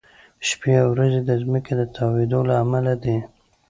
شپې او ورځې د ځمکې د تاوېدو له امله دي.